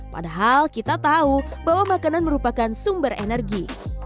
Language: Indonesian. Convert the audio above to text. padahal kita tahu bahwa makanan merupakan sumber energi